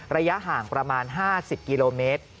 ระยะห่างประมาณ๕๐กิโลเมตร